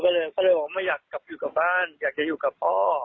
ก็เลยบอกว่าไม่อยากกลับอยู่กับบ้านอยากจะอยู่กับพ่อ